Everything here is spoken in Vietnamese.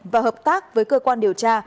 và hợp tác với cơ quan điều tra